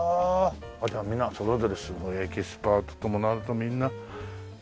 じゃあみんなそれぞれすごいエキスパートともなるとみんなすごいね。